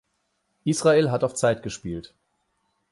Israel hat auf Zeit gespielt.